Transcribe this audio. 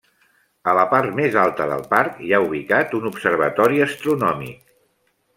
A la part més alta del parc hi ha ubicat un observatori astronòmic.